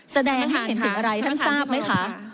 แสดงให้เห็นถึงอะไรท่านทราบไหมคะ